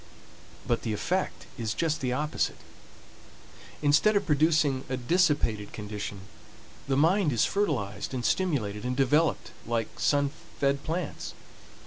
But the effect is just the opposite. Instead of producing a dissipated condition, the mind is fertilized and stimulated and developed like sun fed plants.